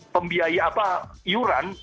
pembiaya apa iuran